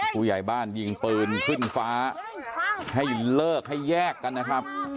ผู้ใหญ่บ้านยิงปืนขึ้นฟ้าให้เลิกให้แยกกันนะครับ